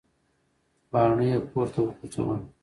باڼه یې پورته وغورځول.